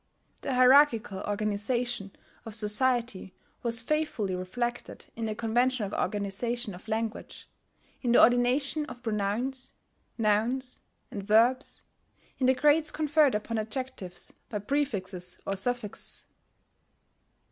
The hierarchical organization of society was faithfully reflected in the conventional organization of language, in the ordination of pronouns, nouns, and verbs, in the grades conferred upon adjectives by prefixes or suffixes.